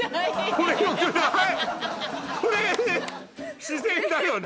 これこれ自然だよね